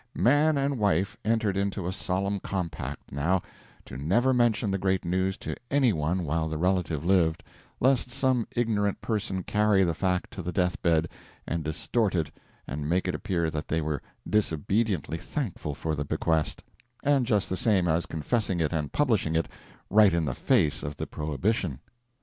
Man and wife entered into a solemn compact, now, to never mention the great news to any one while the relative lived, lest some ignorant person carry the fact to the death bed and distort it and make it appear that they were disobediently thankful for the bequest, and just the same as confessing it and publishing it, right in the face of the prohibition.